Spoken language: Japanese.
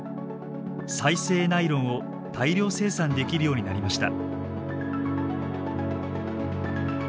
再生ナイロンを大量生産できるようになりました。